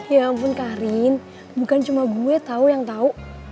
ya ampun kak rin bukan cuma gue tau yang tau